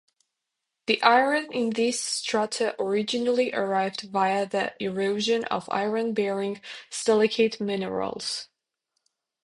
The iron in these strata originally arrived via the erosion of iron-bearing silicate minerals.